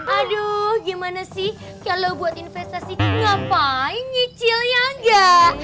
aduh gimana sih kalau buat investasi nggak paling nyicil ya nggak